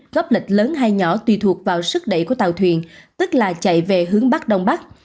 góp lịch lớn hay nhỏ tùy thuộc vào sức đẩy của tàu thuyền tức là chạy về hướng bắc đông bắc